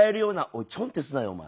おいちょんってすなよお前。